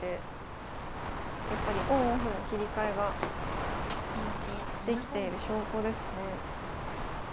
やっぱりオンオフの切り替えができている証拠ですね。